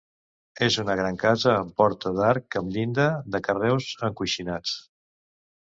És una gran casa amb porta d'arc amb llinda, de carreus encoixinats.